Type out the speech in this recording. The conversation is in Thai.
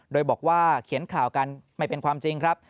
โดยบอกว่าเขียนข่าวกันไม่เป็นความจริงครับ